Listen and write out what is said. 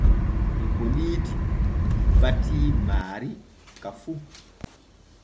Ipoliiti batii maari ka fu.